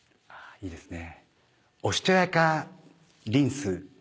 いいですね。